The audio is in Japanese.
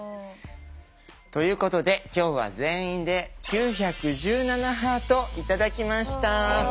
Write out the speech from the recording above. ということで今日は全員で９１７ハート頂きました。